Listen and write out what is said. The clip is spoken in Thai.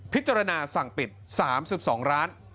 พิจารณาสั่งปิด๓๒ร้าน